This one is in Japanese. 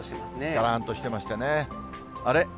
がらんとしていましてね、あれ？